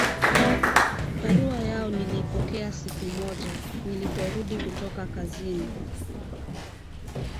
Barua yao niliipokea siku moja niliporudi kutoka kazini